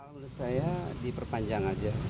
menurut saya diperpanjang aja